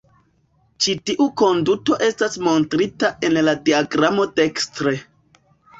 Ĉi tiu konduto estas montrita en la diagramo dekstre.